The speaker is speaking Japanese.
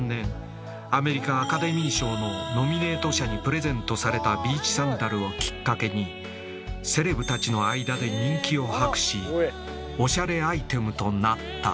アメリカアカデミー賞のノミネート者にプレゼントされたビーチサンダルをきっかけにセレブたちの間で人気を博しおしゃれアイテムとなった。